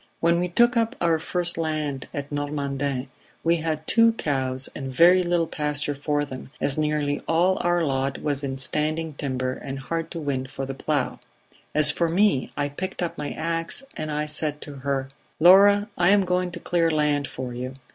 "When we took up our first land at Normandin we had two cows and very little pasture for them, as nearly all our lot was in standing timber and hard to win for the plough. As for me, I picked up my ax and I said to her: 'Laura, I am going to clear land for you.'